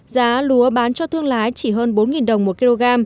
giá lúa bán cho thương lái chỉ hơn bốn đồng một kg